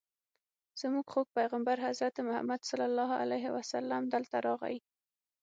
زموږ خوږ پیغمبر حضرت محمد صلی الله علیه وسلم دلته راغی.